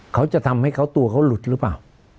เขาจะทำให้เขาตัวเขาหลุดหรือเปล่า